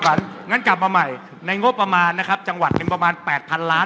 ก็เศรษฐกิจนำไงผมถึงบอกว่า